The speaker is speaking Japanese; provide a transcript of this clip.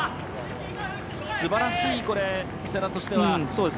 すばらしい世羅としては。